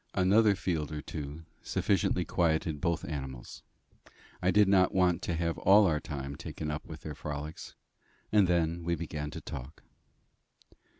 Another field or two sufficiently quieted both animals I did not want to have all our time taken up with their frolics and then we began to talk.